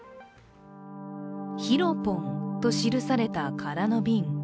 ヒロポンと記された空の瓶。